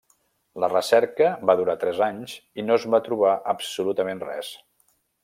La recerca va durar tres anys i no es va trobar absolutament res.